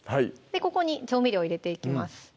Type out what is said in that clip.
ここに調味料入れていきます